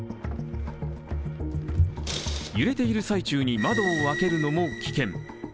揺れている最中に窓を開けるのも危険。